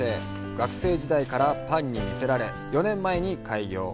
学生時代からパンに魅せられ４年前に開業。